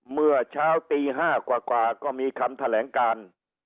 เมื่อเช้าตี๕กว่าก็มีคำแถลงการ